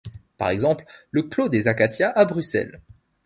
Par exemple, le Clos des Acacias à Bruxelles.